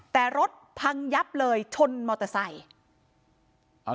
แต่รถพังยับเลยชนมอเตอร์ไซค์